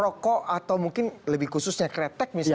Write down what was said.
rokok atau mungkin lebih khususnya kretek misalnya